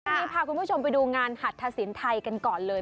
วันนี้พาคุณผู้ชมไปดูงานหัตถสินไทยกันก่อนเลย